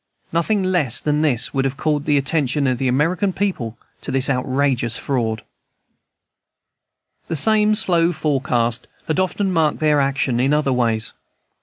Nothing less than this would have called the attention of the American people to this outrageous fraud.* * See Appendix. The same slow forecast had often marked their action in other ways.